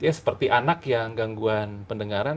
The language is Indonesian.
ya seperti anak yang gangguan pendengaran